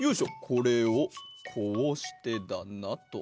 これをこうしてだなと。